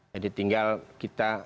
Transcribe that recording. jadi tinggal kita